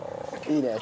いいね。